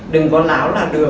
đừng có láo là được